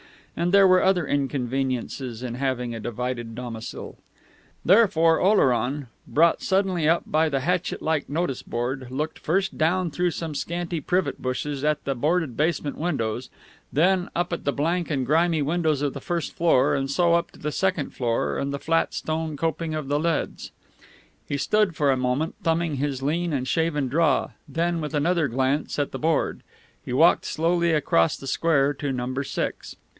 And there were other inconveniences in having a divided domicile. Therefore Oleron, brought suddenly up by the hatchet like notice board, looked first down through some scanty privet bushes at the boarded basement windows, then up at the blank and grimy windows of the first floor, and so up to the second floor and the flat stone coping of the leads. He stood for a minute thumbing his lean and shaven jaw; then, with another glance at the board, he walked slowly across the square to Number Six.